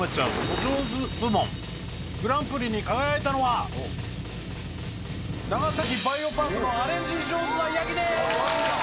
お上手部門グランプリに輝いたのは長崎バイオパークのアレンジ上手なヤギです！